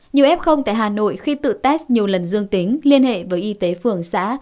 nhiều f tại hà nội khi tự test nhiều lần dương tính liên hệ với y tế phường xã